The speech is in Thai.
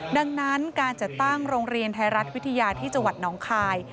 ดังนั้นการจัดตั้งโรงเรียนไทยรัฐวิทยาที่จังหวัดน้องคาย